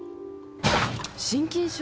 心筋症？